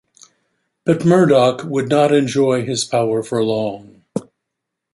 But Murdoch would not enjoy his power for long.